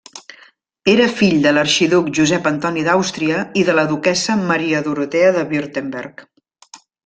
Era fill de l'arxiduc Josep Antoni d'Àustria i de la duquessa Maria Dorotea de Württemberg.